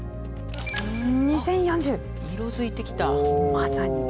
まさに。